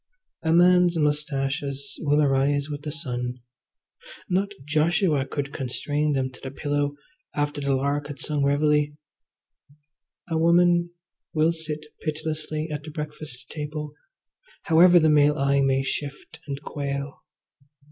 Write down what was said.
A man's moustaches will arise with the sun; not Joshua could constrain them to the pillow after the lark had sung reveille. A woman will sit pitilessly at the breakfast table however the male eye may shift and quail.